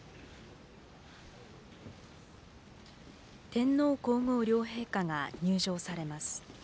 天皇皇后両陛下が入場されます。